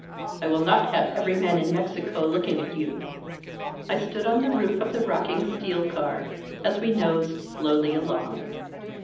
I will not have every man in Mexico looking at you. ..." I stood on the roof of the rocking steel car as we nosed slowly along.